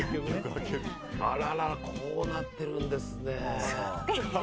あらら、こうなってるんですね。